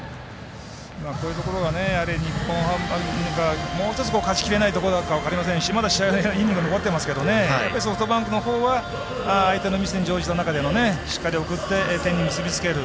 こういうところが日本ハムがもう一つ勝ちきれないところなのかも分かりませんしまだ試合、イニング残ってますけどソフトバンクのほうは相手のミスに乗じた中でしっかり送って点に結びつける。